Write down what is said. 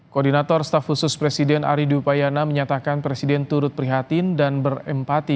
koordinator staf khusus presiden ari dupayana menyatakan presiden turut prihatin dan berempati